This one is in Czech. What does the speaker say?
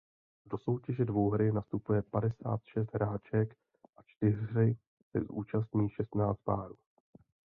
Do soutěže dvouhry nastupuje padesát šest hráček a čtyřhry se účastní šestnáct párů.